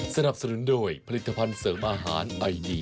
สนับสนุนโดยผลิตภัณฑ์เสริมอาหารไอดี